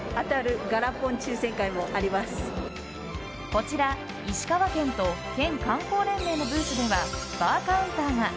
こちら石川県と県観光連盟のブースではバーカウンターが。